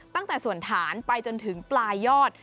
ตั้งแต่ส่วนฐานไปจนถึงปลายยอด